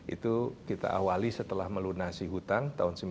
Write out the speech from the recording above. itu kita awali setelah melakukan